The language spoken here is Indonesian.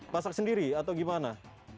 masak sendiri atau gimana